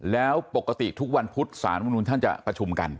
แล้วปกติทุกวันพุธศาลมนุนท่านจะประชุมกัน